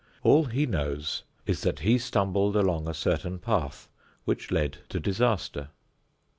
All he knows is that he stumbled along a certain path which led to disaster.